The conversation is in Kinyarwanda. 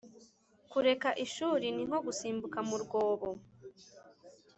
kureka ishuri ni nko gusimbukira mu rwobo